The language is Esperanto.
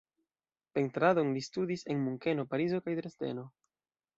Pentradon li studis en Munkeno, Parizo kaj Dresdeno.